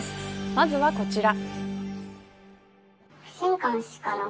まずはこちら。